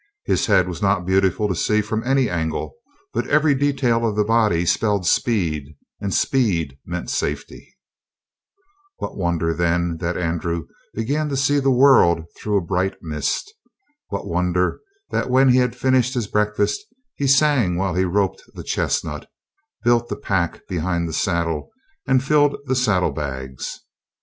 His head was not beautiful to see from any angle, but every detail of the body spelled speed, and speed meant safety. What wonder, then, that Andrew began to see the world through a bright mist? What wonder that when he had finished his breakfast he sang while he roped the chestnut, built the pack behind the saddle, and filled the saddlebags.